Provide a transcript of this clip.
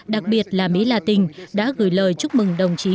đặc biệt là mỹ la tình đã gửi lời chúc mừng đồng chí cuba